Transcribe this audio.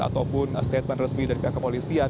ataupun statement resmi dari pihak kepolisian